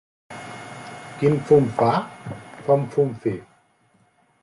Quin fum fa? Fa un fum fi.